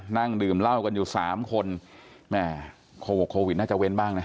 นั่งดื่มเหล้ากันอยู่สามคนแม่โควิดน่าจะเว้นบ้างนะ